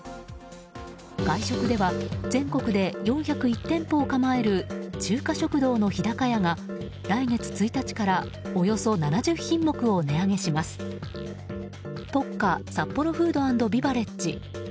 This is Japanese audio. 外食では、全国で４０１店舗を構える中華食堂の日高屋が来月１日からおよそ７０品目を値上げします。ポッカサッポロフード＆ビバレッジ